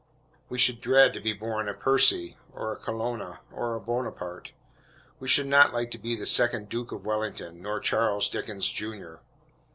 We should dread to be born a Percy, or a Colonna, or a Bonaparte. We should not like to be the second Duke of Wellington, nor Charles Dickens, Jr.